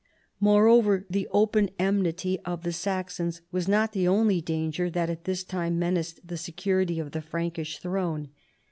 Moreover, the open enmity of the Saxons was not the only danger that at this time menaced the se curity of the Frankish throne.